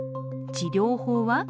治療法は？